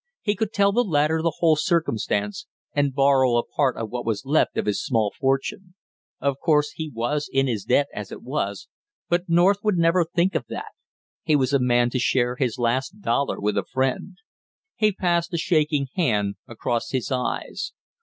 He could tell the latter the whole circumstance and borrow a part of what was left of his small fortune; of course he was in his debt as it was, but North would never think of that; he was a man to share his last dollar with a friend. He passed a shaking hand across his eyes.